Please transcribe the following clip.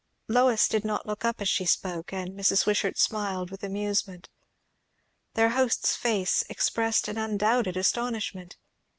'" Lois did not look up as she spoke, and Mrs. Wishart smiled with amusement. Their host's face expressed an undoubted astonishment.